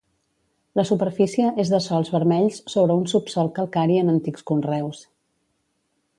La superfície és de sòls vermells sobre un subsòl calcari en antics conreus.